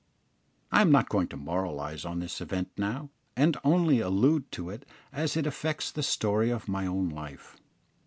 I am not going to moralise on this event now, and only allude to it as it affects the story of my own life.